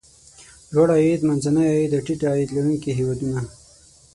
لوړ عاید، منځني عاید او ټیټ عاید لرونکي هېوادونه.